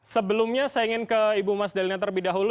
sebelumnya saya ingin ke ibu mas dalina terlebih dahulu